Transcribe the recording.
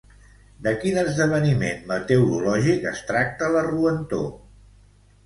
De quin esdeveniment meteorològic es tracta la roentor?